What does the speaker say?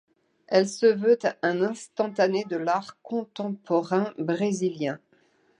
Elle se veut un instantané de l'art contemporain brésilien.